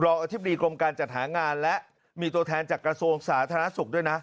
อธิบดีกรมการจัดหางานและมีตัวแทนจากกระทรวงสาธารณสุขด้วยนะ